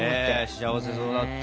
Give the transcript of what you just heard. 幸せそうだった。